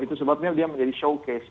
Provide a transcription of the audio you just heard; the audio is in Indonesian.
itu sebabnya dia menjadi showcase